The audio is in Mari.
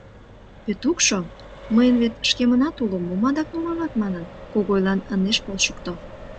Пӧтукшо, «мыйын вет шкемынат уло, мом адак нумалат» манын, Когойлан ынеж полшыкто.